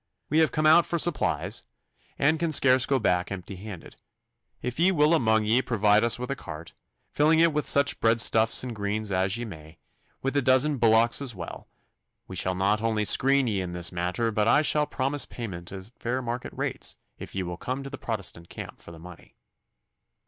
We have come out for supplies, and can scarce go back empty handed. If ye will among ye provide us with a cart, filling it with such breadstuffs and greens as ye may, with a dozen bullocks as well, we shall not only screen ye in this matter, but I shall promise payment at fair market rates if ye will come to the Protestant camp for the money.